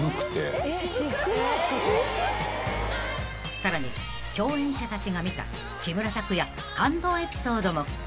［さらに共演者たちが見た木村拓哉感動エピソードも］